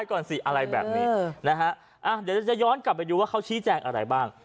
เดี๋ยวจะย้อนกลับไปดูว่าเขาชี้แจงอะไรบ้าง